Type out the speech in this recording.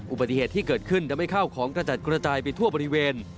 อุบัติเหตุที่เกิดขึ้นทำให้ข้าวของกระจัดกระจายไปทั่วบริเวณ